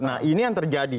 nah ini yang terjadi